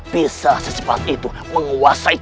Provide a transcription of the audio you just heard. bisa secepat itu menguasai